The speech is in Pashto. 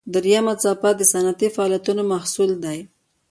دریمه څپه د صنعتي فعالیتونو محصول دی.